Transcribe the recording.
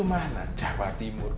itu mana jawa timur